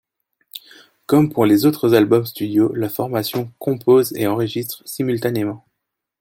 Comme pour les autres albums studio, la formation compose et enregistre simultanément.